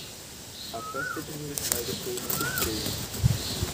A festa de aniversário foi uma surpresa.